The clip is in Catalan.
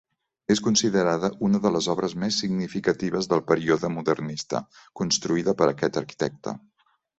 És considerada una de les obres més significatives del període modernista construïda per aquest arquitecte.